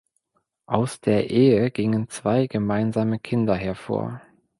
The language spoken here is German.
Aus der Ehe gingen zwei gemeinsame Kinder hervor.